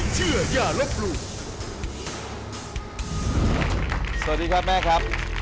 สวัสดีครับแม่ครับ